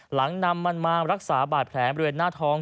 หลังนำมันมารักษาบาดแผลบริเวณหน้าท้อง